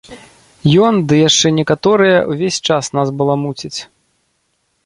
Ён ды яшчэ некаторыя ўвесь час нас баламуцяць.